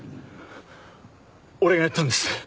俺がやったんです。